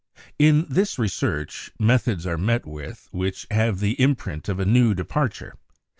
In this research methods are met with which have the imprint of a new departure.